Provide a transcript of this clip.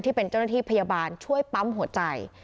ที่เป็นเจ้าหน้าที่พยาบาลช่วยปั๊มหัวใจ